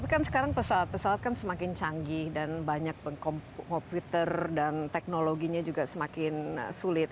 tapi kan sekarang pesawat pesawat kan semakin canggih dan banyak komputer dan teknologinya juga semakin sulit